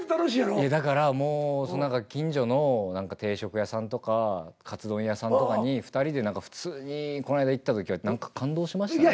いやだからもう何か近所の定食屋さんとかかつ丼屋さんとかに２人で普通にこの間行った時は何か感動しましたね。